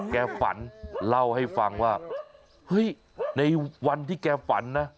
แกฝันเล่าให้ฟังว่าเฮ้ยในวันที่แกฝันนะ